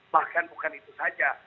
bahkan bukan itu saja